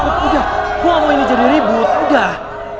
cukup udah gue gak mau ini jadi ribut udah